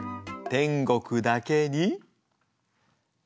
天国だけに。